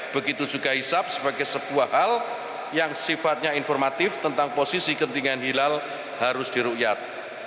begitu juga hisap sebagai sebuah hal yang sifatnya informatif tentang posisi ketinggian hilal harus diruyat